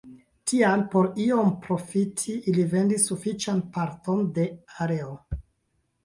Tial por iom profiti ili vendis sufiĉan parton de areo.